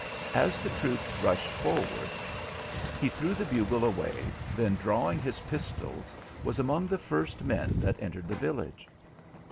As the troops rushed forward, he threw the bugle away, then drawing his pistols, was among the first men that entered the village.